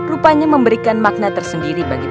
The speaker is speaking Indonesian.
rupanya memberikan makna tersendiri bagi